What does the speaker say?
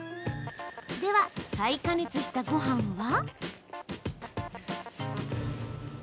では再加熱したごはんは？